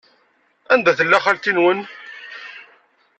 Anida tella xalti-nwen?